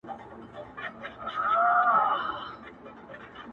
• بل يې ورته وايي چي بايد خبره پټه پاته سي..